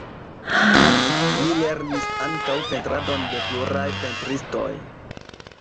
Li lernis ankaŭ pentradon de pluraj pentristoj.